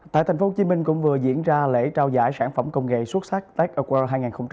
tại tp hcm cũng vừa diễn ra lễ trao giải sản phẩm công nghệ xuất sắc tech aquaw hai nghìn hai mươi